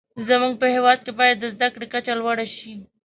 زموږ په هیواد کې باید د زده کړو کچه لوړه شې.